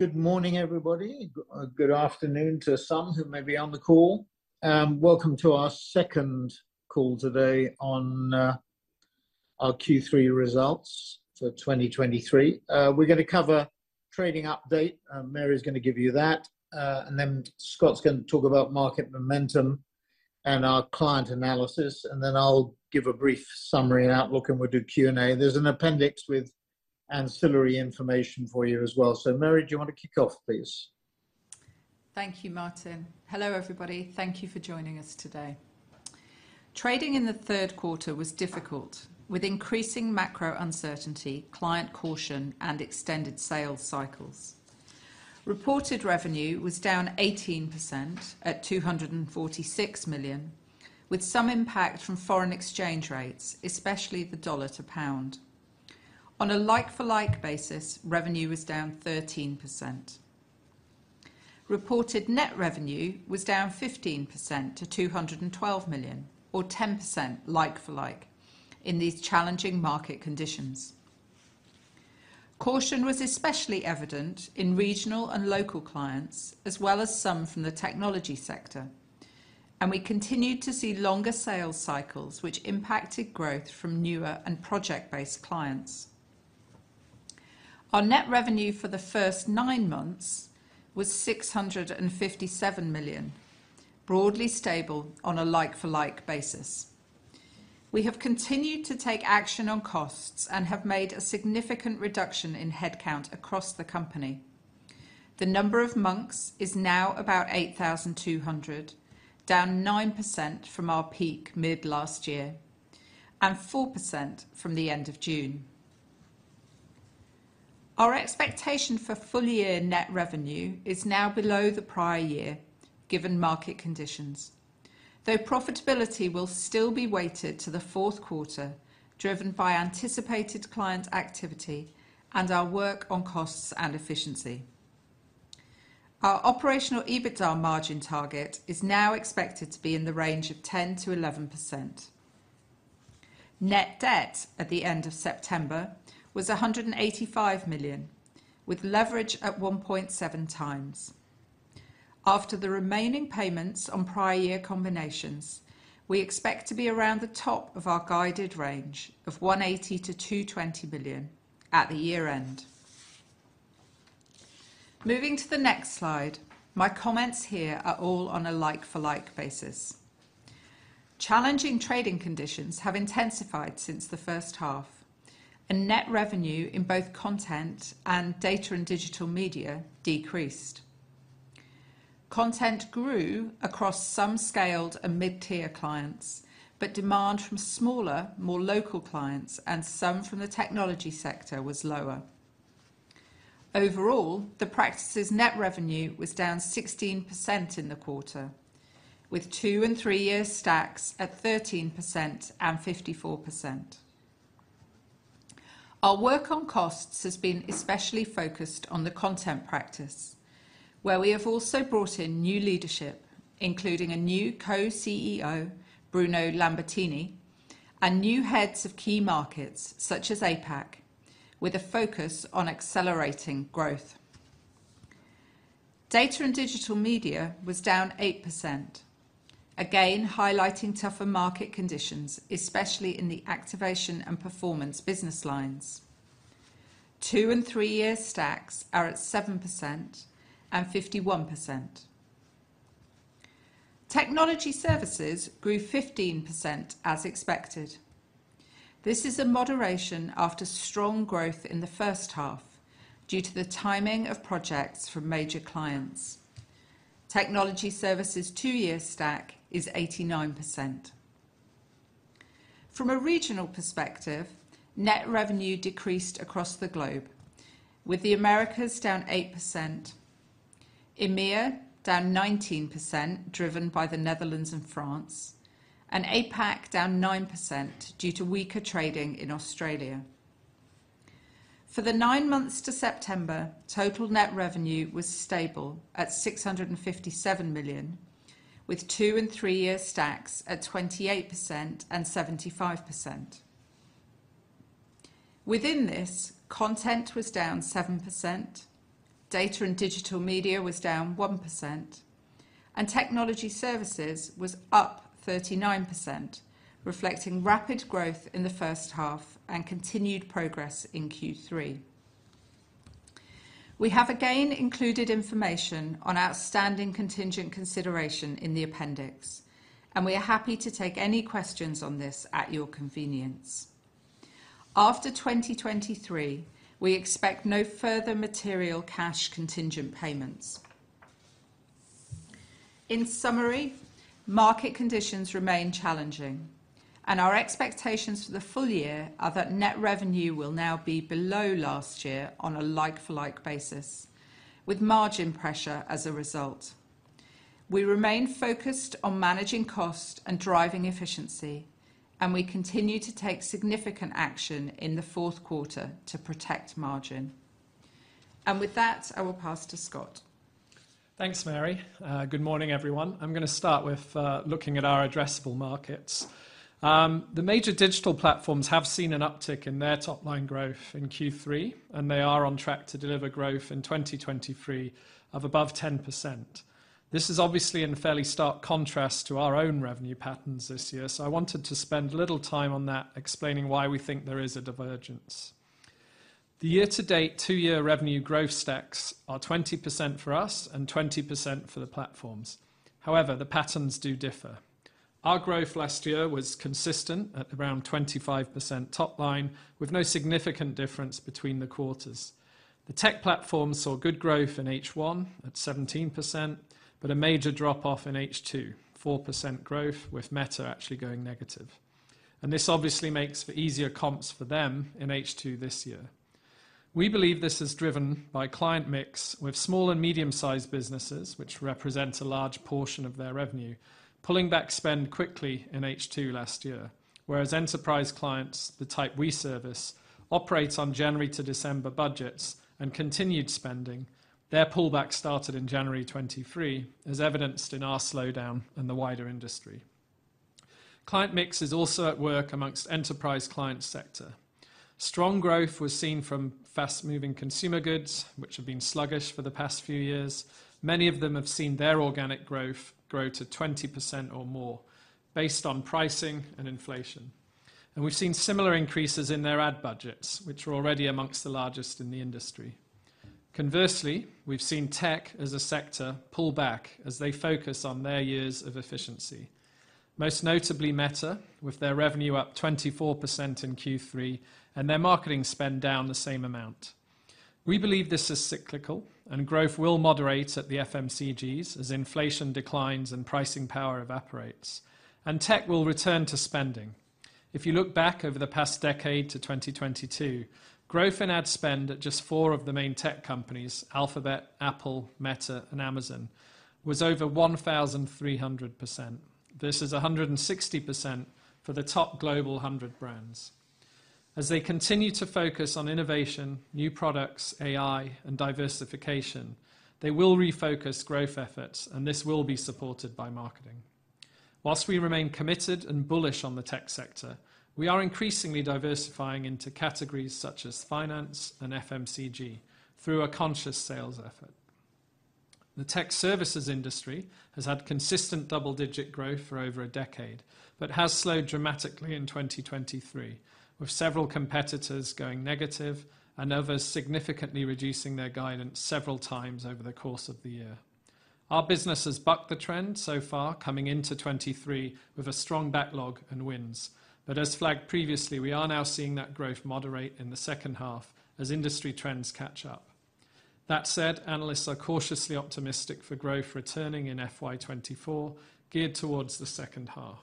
Good morning, everybody. Good afternoon to some who may be on the call. Welcome to our second call today on our Q3 Results for 2023. We're gonna cover trading update. Mary's gonna give you that. And then Scott's gonna talk about market momentum and our client analysis, and then I'll give a brief summary and outlook, and we'll do Q&A. There's an appendix with ancillary information for you as well. So Mary, do you want to kick off, please? Thank you, Martin. Hello, everybody. Thank you for joining us today. Trading in the third quarter was difficult, with increasing macro uncertainty, client caution, and extended sales cycles. Reported revenue was down 18% at 246 million, with some impact from foreign exchange rates, especially the dollar to pound. On a like-for-like basis, revenue was down 13%. Reported net revenue was down 15% to 212 million, or 10% like-for-like, in these challenging market conditions. Caution was especially evident in regional and local clients, as well as some from the technology sector, and we continued to see longer sales cycles, which impacted growth from newer and project-based clients. Our net revenue for the first nine months was 657 million, broadly stable on a like-for-like basis. We have continued to take action on costs and have made a significant reduction in headcount across the company. The number of Monks is now about 8,200, down 9% from our peak mid last year, and 4% from the end of June. Our expectation for full-year net revenue is now below the prior year, given market conditions, though profitability will still be weighted to the fourth quarter, driven by anticipated client activity and our work on costs and efficiency. Our operational EBITDA margin target is now expected to be in the range of 10%-11%. Net debt at the end of September was 185 million, with leverage at 1.7 times. After the remaining payments on prior year combinations, we expect to be around the top of our guided range of 180 million-220 million at the year-end. Moving to the next slide, my comments here are all on a like-for-like basis. Challenging trading conditions have intensified since the first half, and net revenue in both Content and Data and Digital Media decreased. Content grew across some scaled and mid-tier clients, but demand from smaller, more local clients and some from the technology sector was lower. Overall, the practice's net revenue was down 16% in the quarter, with two and three-year stacks at 13% and 54%. Our work on costs has been especially focused on the content practice, where we have also brought in new leadership, including a new co-CEO, Bruno Lambertini, and new heads of key markets such as APAC, with a focus on accelerating growth. Data and Digital Media was down 8%. Again, highlighting tougher market conditions, especially in the activation and performance business lines. Two and three-year stacks are at 7% and 51%. Technology Services grew 15% as expected. This is a moderation after strong growth in the first half due to the timing of projects from major clients. Technology Services' two-year stack is 89%. From a regional perspective, net revenue decreased across the globe, with the Americas down 8%, EMEA down 19%, driven by the Netherlands and France, and APAC down 9% due to weaker trading in Australia. For the nine months to September, total net revenue was stable at 657 million, with two and three-year stacks at 28% and 75%. Within this, content was down 7%, Data and Digital Media was down 1%, and Technology Services was up 39%, reflecting rapid growth in the first half and continued progress in Q3. We have again included information on outstanding contingent consideration in the appendix, and we are happy to take any questions on this at your convenience. After 2023, we expect no further material cash contingent payments. In summary, market conditions remain challenging, and our expectations for the full year are that net revenue will now be below last year on a like-for-like basis, with margin pressure as a result. We remain focused on managing cost and driving efficiency, and we continue to take significant action in the fourth quarter to protect margin. With that, I will pass to Scott. Thanks, Mary. Good morning, everyone. I'm gonna start with looking at our addressable markets. The major digital platforms have seen an uptick in their top-line growth in Q3, and they are on track to deliver growth in 2023 of above 10%. This is obviously in fairly stark contrast to our own revenue patterns this year, so I wanted to spend a little time on that, explaining why we think there is a divergence. The year-to-date two-year revenue growth stacks are 20% for us and 20% for the platforms. However, the patterns do differ. Our growth last year was consistent at around 25% top line, with no significant difference between the quarters. The tech platforms saw good growth in H1 at 17%, but a major drop-off in H2, 4% growth, with Meta actually going negative. This obviously makes for easier comps for them in H2 this year. We believe this is driven by client mix, with small and medium-sized businesses, which represent a large portion of their revenue, pulling back spend quickly in H2 last year. Whereas enterprise clients, the type we service, operates on January to December budgets and continued spending, their pullback started in January 2023, as evidenced in our slowdown in the wider industry. Client mix is also at work among enterprise client sector. Strong growth was seen from fast-moving consumer goods, which have been sluggish for the past few years. Many of them have seen their organic growth grow to 20% or more based on pricing and inflation, and we've seen similar increases in their ad budgets, which are already among the largest in the industry. Conversely, we've seen tech as a sector pull back as they focus on their years of efficiency. Most notably, Meta, with their revenue up 24% in Q3, and their marketing spend down the same amount. We believe this is cyclical, and growth will moderate at the FMCGs as inflation declines and pricing power evaporates, and tech will return to spending. If you look back over the past decade to 2022, growth in ad spend at just four of the main tech companies, Alphabet, Apple, Meta, and Amazon, was over 1,300%. This is 160% for the top global 100 brands. As they continue to focus on innovation, new products, AI, and diversification, they will refocus growth efforts, and this will be supported by marketing. While we remain committed and bullish on the tech sector, we are increasingly diversifying into categories such as finance and FMCG through a conscious sales effort. The tech services industry has had consistent double-digit growth for over a decade, but has slowed dramatically in 2023, with several competitors going negative and others significantly reducing their guidance several times over the course of the year. Our business has bucked the trend so far, coming into 2023 with a strong backlog and wins. But as flagged previously, we are now seeing that growth moderate in the second half as industry trends catch up. That said, analysts are cautiously optimistic for growth returning in FY 2024, geared towards the second half.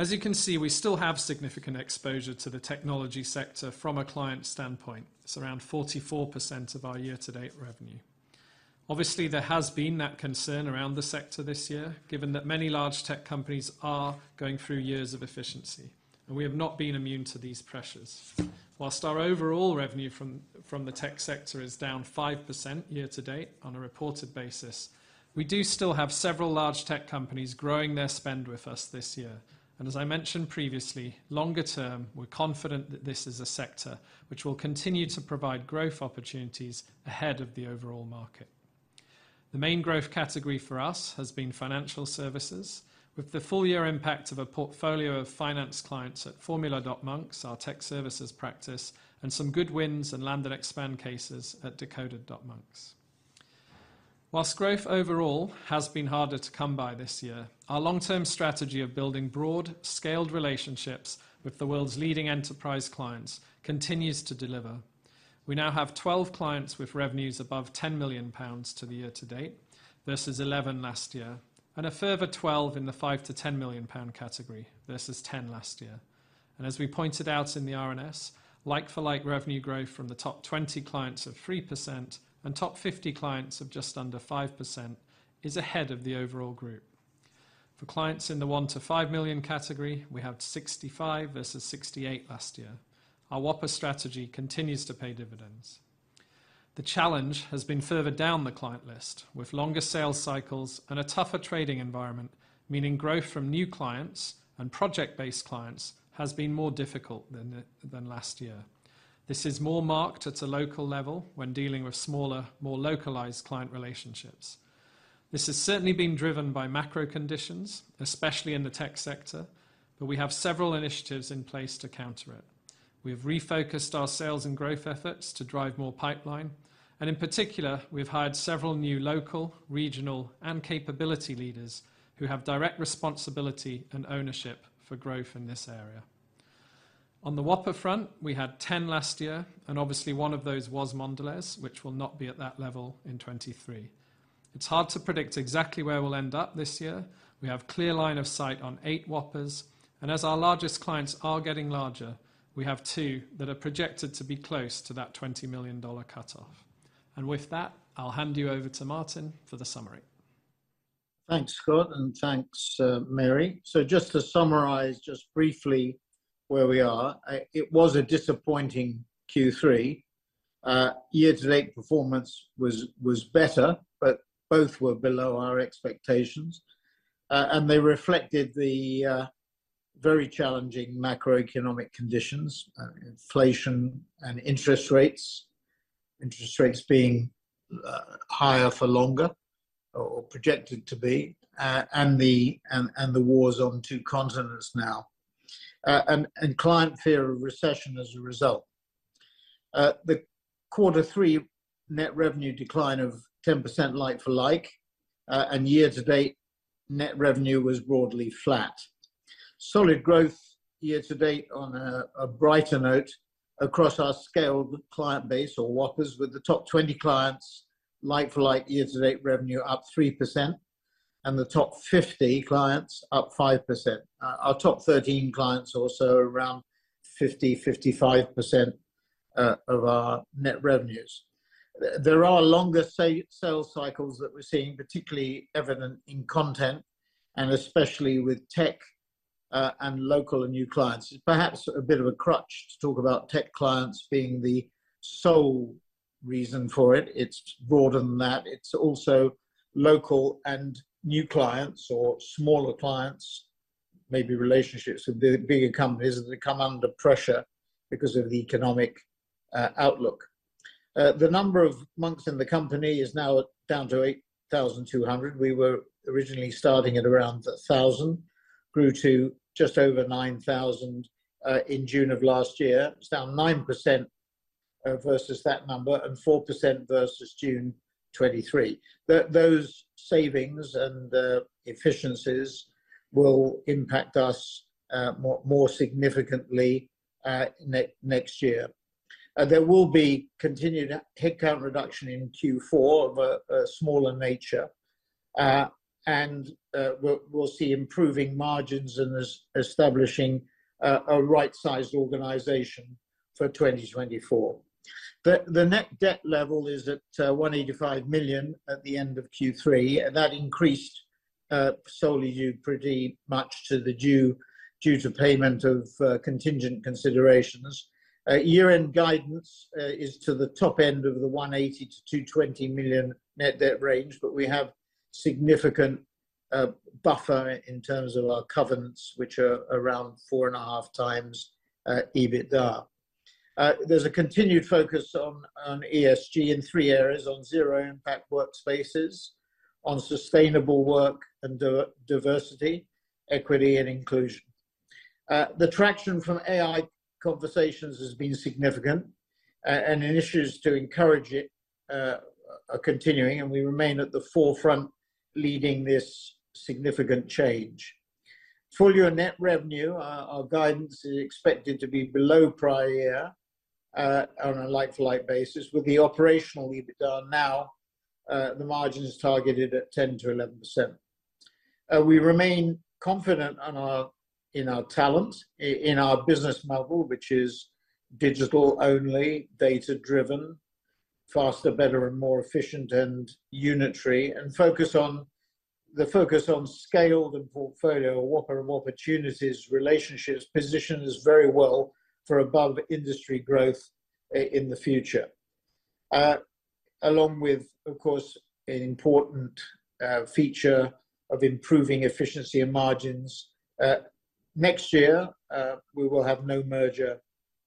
As you can see, we still have significant exposure to the technology sector from a client standpoint. It's around 44% of our year-to-date revenue. Obviously, there has been that concern around the sector this year, given that many large tech companies are going through years of efficiency, and we have not been immune to these pressures. While our overall revenue from the tech sector is down 5% year to date on a reported basis, we do still have several large tech companies growing their spend with us this year. As I mentioned previously, longer term, we're confident that this is a sector which will continue to provide growth opportunities ahead of the overall market. The main growth category for us has been financial services, with the full year impact of a portfolio of finance clients at Formula.Monks, our tech services practice, and some good wins and land-and-expand cases at Decoded.Monks. While growth overall has been harder to come by this year, our long-term strategy of building broad, scaled relationships with the world's leading enterprise clients continues to deliver. We now have 12 clients with revenues above 10 million pounds to the year to date versus 11 last year, and a further 12 in the 5 million-10 million pound category versus 10 last year. As we pointed out in the RNS, like-for-like revenue growth from the top 20 clients of 3% and top 50 clients of just under 5% is ahead of the overall group. For clients in the 1 million-5 million category, we have 65 versus 68 last year. Our Whopper strategy continues to pay dividends. The challenge has been further down the client list, with longer sales cycles and a tougher trading environment, meaning growth from new clients and project-based clients has been more difficult than last year. This is more marked at a local level when dealing with smaller, more localized client relationships. This has certainly been driven by macro conditions, especially in the tech sector, but we have several initiatives in place to counter it. We've refocused our sales and growth efforts to drive more pipeline, and in particular, we've hired several new local, regional, and capability leaders who have direct responsibility and ownership for growth in this area. On the Whopper front, we had 10 last year, and obviously, one of those was Mondelez, which will not be at that level in 2023. It's hard to predict exactly where we'll end up this year. We have clear line of sight on eight Whoppers, and as our largest clients are getting larger, we have that that are projected to be close to that $20 million cutoff. And with that, I'll hand you over to Martin for the summary. Thanks, Scott, and thanks, Mary. So just to summarize just briefly where we are, it was a disappointing Q3. Year-to-date performance was, was better, but both were below our expectations. And they reflected the, very challenging macroeconomic conditions, inflation and interest rates. Interest rates being, higher for longer or, or projected to be, and the, and, and the wars on two continents now. And, client fear of recession as a result. The quarter three net revenue decline of 10% like-for-like, and year-to-date net revenue was broadly flat. Solid growth year-to-date on a, brighter note across our scaled client base or Whoppers, with the top 20 clients like-for-like year-to-date revenue up 3% and the top 50 clients up 5%. Our top 13 clients are also around 50%-55% of our net revenues. There are longer sales cycles that we're seeing, particularly evident in content, and especially with tech, and local and new clients. It's perhaps a bit of a crutch to talk about tech clients being the sole reason for it. It's broader than that. It's also local and new clients or smaller clients, maybe relationships with the bigger companies that come under pressure because of the economic outlook. The number of months in the company is now down to 8,200. We were originally starting at around a thousand, grew to just over 9,000, in June of last year. It's down 9%, versus that number, and 4% versus June 2023. Those savings and efficiencies will impact us more significantly next year. There will be continued head count reduction in Q4 of a smaller nature, and we'll see improving margins and establishing a right-sized organization for 2024. The net debt level is at 185 million at the end of Q3, and that increased solely due pretty much due to payment of contingent considerations. Year-end guidance is to the top end of the 180 million-220 million net debt range, but we have significant buffer in terms of our covenants, which are around 4.5x EBITDA. There's a continued focus on ESG in three areas: on zero impact workspaces, on sustainable work, and diversity, equity, and inclusion. The traction from AI conversations has been significant, and initiatives to encourage it are continuing, and we remain at the forefront leading this significant change. Full year net revenue, our guidance is expected to be below prior year, on a like-for-like basis. With the operational EBITDA now, the margin is targeted at 10%-11%. We remain confident in our talent, in our business model, which is digital-only, data-driven, faster, better, and more efficient and unitary, and focus on scaled and portfolio, Whopper and opportunities, relationships, positions very well for above-industry growth in the future. Along with, of course, an important feature of improving efficiency and margins. Next year, we will have no merger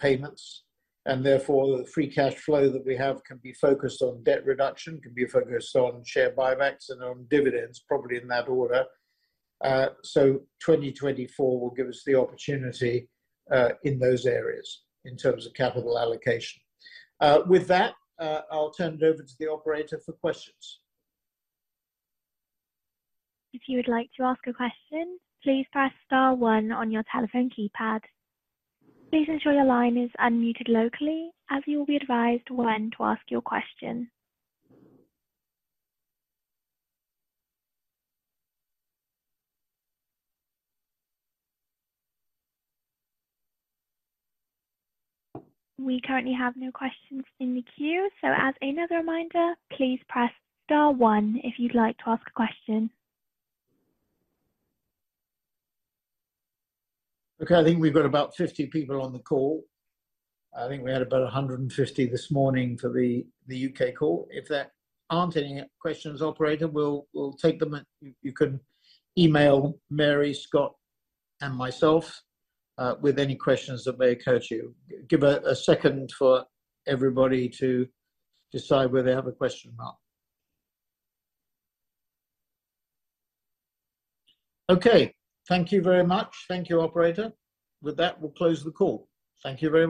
payments, and therefore, the free cash flow that we have can be focused on debt reduction, can be focused on share buybacks and on dividends, probably in that order. So, 2024 will give us the opportunity in those areas in terms of capital allocation. With that, I'll turn it over to the operator for questions. If you would like to ask a question, please press star one on your telephone keypad. Please ensure your line is unmuted locally, as you will be advised when to ask your question. We currently have no questions in the queue, so as another reminder, please press star one if you'd like to ask a question. Okay, I think we've got about 50 people on the call. I think we had about 150 this morning for the U.K. call. If there aren't any questions, operator, we'll take them and you can email Mary, Scott, and myself with any questions that may occur to you. Give a second for everybody to decide whether they have a question or not. Okay, thank you very much. Thank you, operator. With that, we'll close the call. Thank you very much.